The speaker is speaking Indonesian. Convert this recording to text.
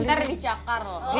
ntar dicakar loh